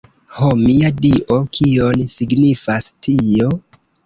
Ho, mia Dio, kion signifas tio?